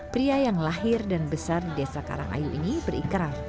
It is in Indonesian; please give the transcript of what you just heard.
pria yang lahir dan besar di desa karangayu ini berikrar